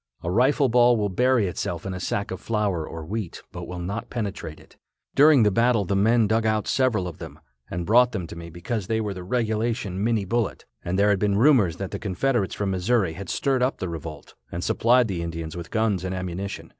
A rifle ball will bury itself in a sack of flour or wheat, but will not penetrate it. During the battle the men dug out several of them, and brought them to me because they were the regulation Minie bullet, and there had been rumors that the Confederates from Missouri had stirred up the revolt and supplied the Indians with guns and ammunition.